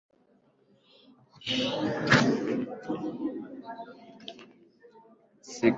Siku njema huonekana asubuhi.